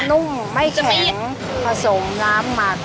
นุ่มไม่แข็งผสมน้ำหมัก